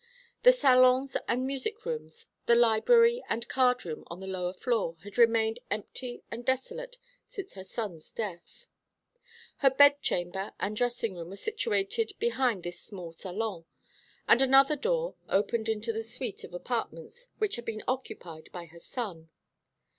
The salons and music rooms, the library and card room on the lower floor, had remained empty and desolate since her son's death. Her bedchamber and dressing room were situated behind this small salon, and another door opened into the suite of apartments which had been occupied by her son.